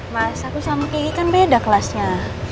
mas aku sama ki kan beda kelasnya